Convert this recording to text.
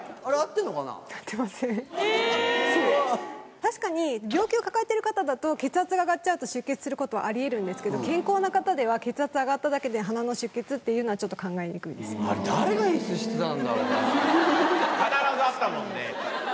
確かに、病気を抱えてる方だと、血圧が上がっちゃうと出血することはありえるんですけど、健康な方では、血圧が上がっただけで鼻の出血っていうのは、ちょっと考あれ、必ずあったもんね。